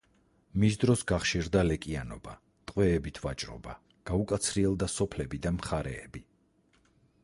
მის დროს გახშირდა ლეკიანობა, ტყვეებით ვაჭრობა, გაუკაცრიელდა სოფლები და მხარეები.